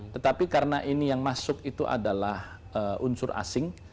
tetapi karena ini yang masuk itu adalah unsur asing